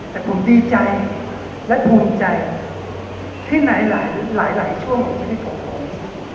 แต่ผมดีใจและภูมิใจที่ไหนหลายหลายช่วงของชีวิตของผม